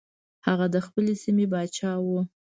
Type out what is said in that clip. هغه د خپلې سیمې پاچا و.